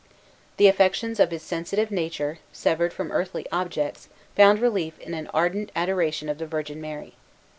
The affections of his sensitive nature, severed from earthly objects, found relief in an ardent adoration of the Virgin Mary.